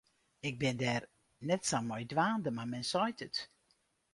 Ik bin dêr net sa mei dwaande, mar men seit it.